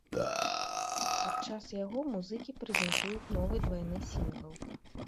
Падчас яго музыкі прэзентуюць новы двайны сінгл.